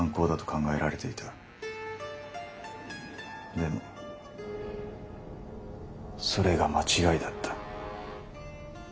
でもそれが間違いだった。